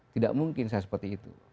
tidak mungkin saya seperti itu